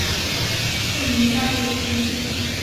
竟陵八友之一。